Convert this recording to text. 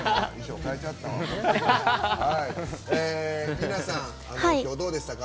ユナさん、どうでしたか？